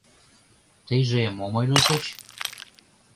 — Тыйже мом ойлышыч?